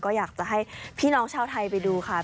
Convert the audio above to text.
ก็อยากจะให้พี่น้องชาวไทยไปดูค่ะ